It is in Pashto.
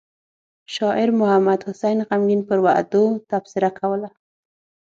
شاعر محمد حسين غمګين پر وعدو تبصره کوله.